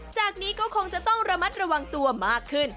จากนี้ก็คงจะต้องระมัดระวังตัวมากขึ้น